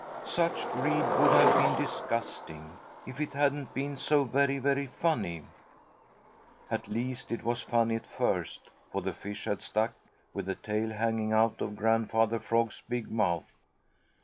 Such greed would have been disgusting, if it hadn't been so very, very funny. At least, it was funny at first, for the fish had stuck, with the tail hanging out of Grandfather Frog's big mouth.